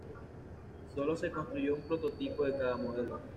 Sólo se construyó un prototipo de cada modelo.